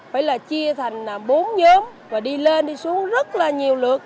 phải là chia thành bốn nhóm và đi lên đi xuống rất là nhiều lượt